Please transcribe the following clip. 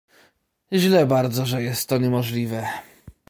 "Źle bardzo, że jest to niemożliwe."